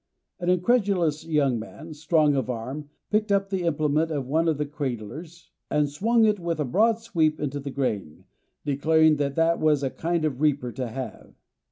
An incredulous young man, strong of arm, picked up the implement of one of the cradlers, and swung it with a broad sweep into the grain, declaring that that was a kind of a reaper to have.